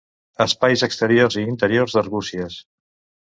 Espais exteriors i interiors d'Arbúcies.